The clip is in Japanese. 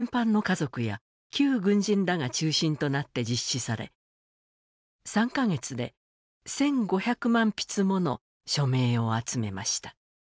戦犯の家族や旧軍人らが中心となって実施され３か月で１５００万筆もの署名を集めました。